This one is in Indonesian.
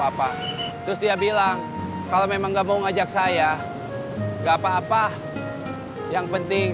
apa terus dia bilang kalau memang nggak mau ngajak saya enggak apa apa yang penting